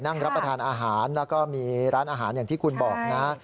นั่งรับประทานอาหารแล้วก็มีร้านอาหารอย่างที่คุณบอกนะ